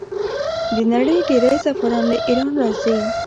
د نړۍ ډیری زعفران له ایران راځي.